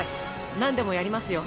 何でもやりますよ。